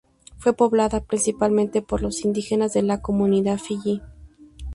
Fue poblada principalmente por los indígenas de la comunidad de Fiyi.